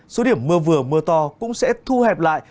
số điểm mưa vừa mưa to cũng sẽ thu hẹp lại